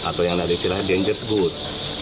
atau yang nanti silah dangerous good